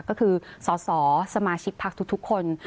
ก็คือสสสมาชิกพักทุกคน